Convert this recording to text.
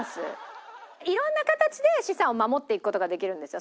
色んな形で資産を守っていく事ができるんですよ。